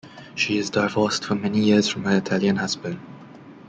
She is divorced for many years from her Italian husband.